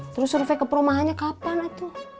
terus survei ke perumahannya kapan itu